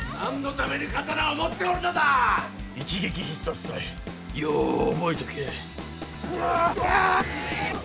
一撃必殺隊よう覚えとけ。